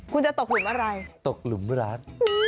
คุณจะตกหลุมอะไรตกหลุมร้าน